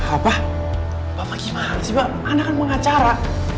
apa bapak gimana sih pak anda kan pengacara